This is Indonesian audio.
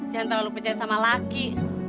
jangan terlalu percaya sama laki